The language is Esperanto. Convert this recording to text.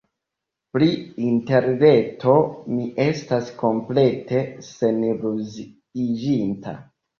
Pri Interreto mi estas komplete seniluziiĝinta.